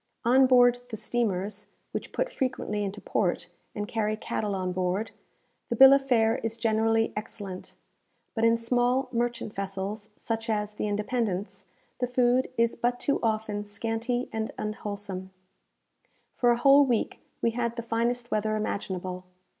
On board the steamers (which put frequently into port, and carry cattle on board) the bill of fare is generally excellent; but in small merchant vessels, such as the "Independence," the food is but too often scanty and unwholesome. For a whole week we had the finest weather imaginable.